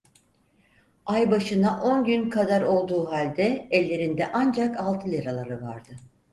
Ay başına on gün kadar olduğu halde ellerinde ancak altı liraları vardı.